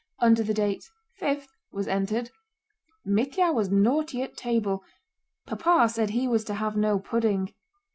Under the date "5" was entered: Mítya was naughty at table. Papa said he was to have no pudding.